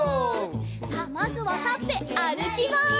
さあまずはたってあるきます！